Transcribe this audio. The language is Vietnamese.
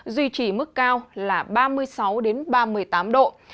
duy trì mức cao là ba mươi sáu ba mươi tám độ